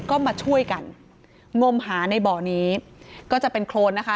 ก็มาช่วยกันงมหาในบ่อนี้ก็จะเป็นโครนนะคะ